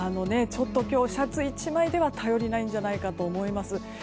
ちょっと今日シャツ１枚では頼りないんじゃないかと思います。